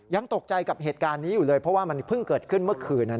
ยังตกใจกับเหตุการณ์นี้อยู่เลยเพราะว่ามันเพิ่งเกิดขึ้นเมื่อคืน